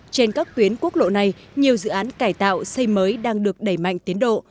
trên các tuyến quốc lộ này nhiều dự án cải tạo xây mới đang được đẩy mạnh tiến độ